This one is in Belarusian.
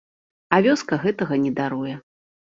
А вёска гэтага не даруе.